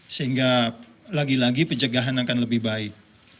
sehingga lagi lagi pencegahan akan lebih baik